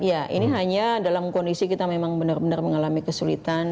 ya ini hanya dalam kondisi kita memang benar benar mengalami kesulitan